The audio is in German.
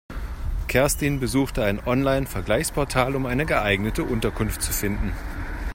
Kerstin besuchte ein Online-Vergleichsportal, um eine geeignete Unterkunft zu finden.